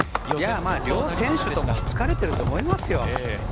両選手とも疲れてると思います。